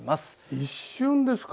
一瞬ですか？